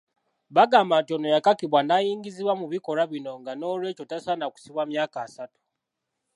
Bagamba nti ono yakakibwa n'ayingizibwa mu bikolwa bino nga n'olwekyo tasaana kusibwa myaka asatu.